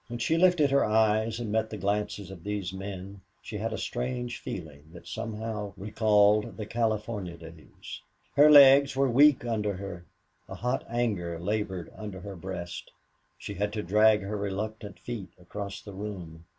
When she lifted her eyes and met the glances of these men she had a strange feeling that somehow recalled the California days. Her legs were weak under her; a hot anger labored under her breast; she had to drag her reluctant feet across the room.